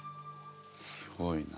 すごいな。